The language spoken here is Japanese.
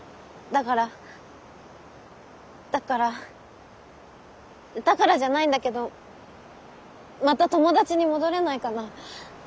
だからだからだからじゃないんだけどまた友達に戻れないかな？